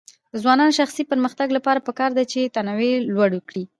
د ځوانانو د شخصي پرمختګ لپاره پکار ده چې تنوع لوړ کړي.